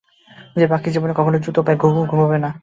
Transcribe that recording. সে বাকি জীবনে কখনো জুতো পায়ে ঘুমুবে না।